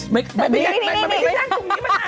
มันไม่ได้นั่งตรงนี้มานาน